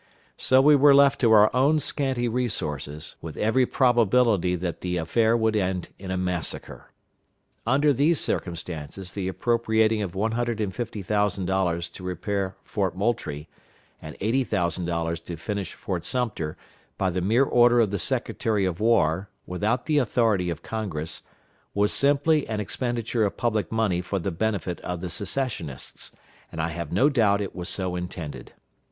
So we were left to our own scanty resources, with every probability that the affair would end in a massacre. Under these circumstances the appropriating of $150,000 to repair Fort Moultrie and $80,000 to finish Fort Sumter by the mere order of the Secretary of War, without the authority of Congress, was simply an expenditure of public money for the benefit of the Secessionists, and I have no doubt it was so intended.